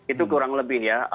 itu kurang lebih ya